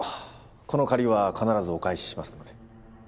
この借りは必ずお返ししますので。